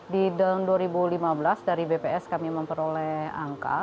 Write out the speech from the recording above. di tahun dua ribu lima belas dari bps kami memperoleh angka